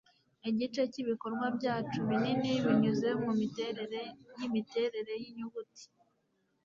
igice cyibikorwa byacu binini binyuze mumiterere yimiterere yinyuguti